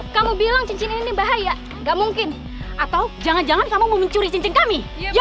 kamu bilang cincin ini bahaya gak mungkin atau jangan jangan kamu mau mencuri cincin kami